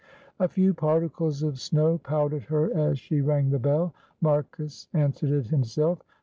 A few particles of snow powdered her as she rang the bell. Marcus answered it himself.